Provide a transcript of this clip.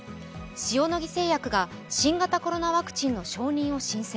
塩野義製薬が新型コロナワクチンの承認を申請。